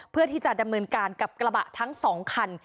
เพื่อที่จะดำเนินการกับกระบะทั้ง๒คัน